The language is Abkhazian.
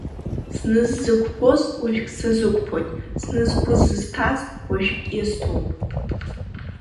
Зны сыззықәԥоз, уажәгь сазықәԥоит, зны сгәы зызҭаз, уажәгь иазҭоуп.